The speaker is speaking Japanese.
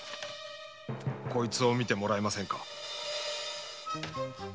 こいつを見てもらえませんか。